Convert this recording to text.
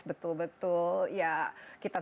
betul betul ya kita